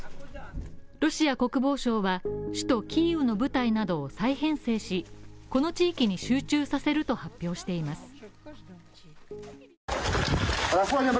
ロシア国防省は首都キーウの部隊などを再編成しこの地域に集中させると発表しています。